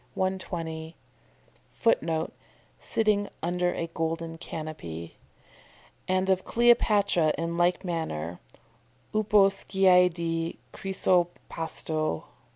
16_ (p. 120), [Footnote: "Sitting under a golden canopy."] and of Cleopatra in like manner "_upo skiadi chrysopasto.